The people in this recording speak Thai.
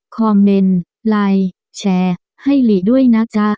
คอมเมนต์ไลน์แชร์ให้หลีด้วยนะจ๊ะ